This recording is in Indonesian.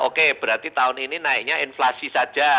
oke berarti tahun ini naiknya inflasi saja